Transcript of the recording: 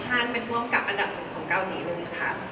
เพราะเป็นร่วมกับอันดับหนึ่งของเกาหลีเลยครับ